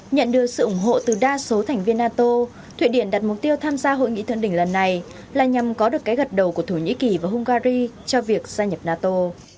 nhận được sự ủng hộ từ đa số thành viên nato thụy điển đặt mục tiêu tham gia hội nghị thượng đỉnh lần này là nhằm có được cái gật đầu của thổ nhĩ kỳ và hungary cho việc gia nhập nato